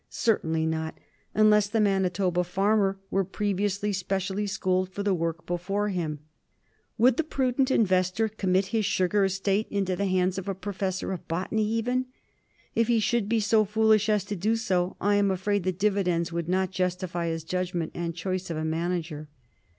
Certainly not, unless the Manitoba farmer were previously specially schooled for the work before him. Would the THE OLD METHOD. 225 prudent investor commit his sugar estate into the hands of a professor of Botany even ? If he should be so •foolish as to do so, I am afraid the dividends would not justify his judgment and choice of a manager.